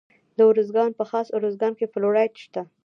د ارزګان په خاص ارزګان کې فلورایټ شته.